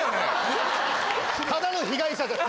ただの被害者です。